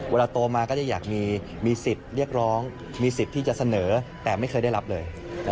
เวลาโตมาก็จะอยากมีสิทธิ์เรียกร้องมีสิทธิ์ที่จะเสนอแต่ไม่เคยได้รับเลย